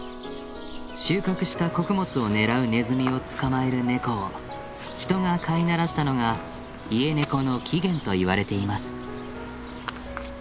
収穫した穀物を狙うネズミを捕まえるネコを人が飼い慣らしたのがイエネコの起源といわれています。